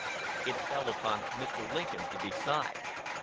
It fell upon Mr. Lincoln to decide.